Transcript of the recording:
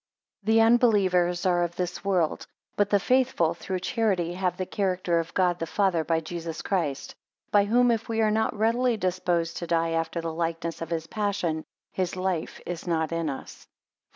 3 The unbelievers are of this world; but the faithful, through charity have the character of God the Father by Jesus Christ: by whom if we are not readily disposed to die after the likeness of his passion, his life is not in us.